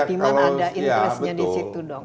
di mana ada interestnya di situ dong